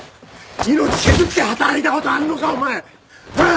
命削って働いたことあんのかお前！ああ！？